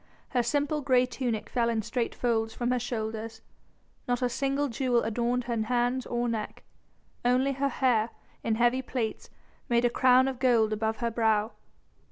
Her simple grey tunic fell in straight folds from her shoulders, not a single jewel adorned her hands or neck, only her hair, in heavy plaits, made a crown of gold above her brow.